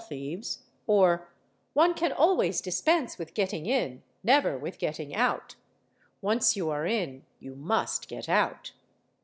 h ieves; or "one can always dispense with getting in, never with getting | Out '—once you are in you must get out.